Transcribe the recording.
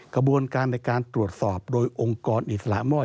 กระบวนการณ์ตรวจสอบโดยองค์กรทางอิสระม่อย